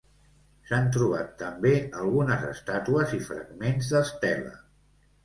S'han trobat també algunes estàtues i fragments d'estela.